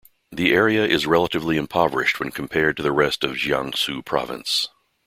The area is relatively impoverished when compared to the rest of Jiangsu Province.